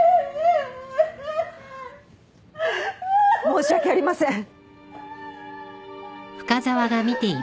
申し訳ありません。